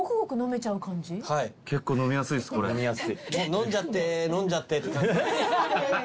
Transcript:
「飲んじゃって飲んじゃって」って感じ。